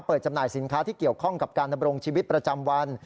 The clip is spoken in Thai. จำหน่ายสินค้าที่เกี่ยวข้องกับการดำรงชีวิตประจำวัน